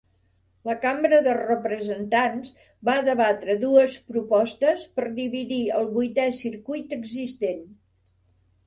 La Cambra de Representants va debatre dues propostes per dividir el Vuitè Circuit existent.